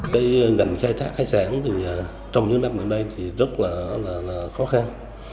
cái ngành khai thác hải sản trong những năm hôm nay thì rất là khó khăn